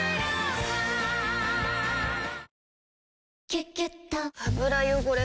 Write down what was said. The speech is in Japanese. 「キュキュット」油汚れ